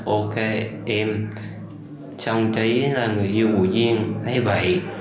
ok em trông cháy là người yêu của duyên hay vậy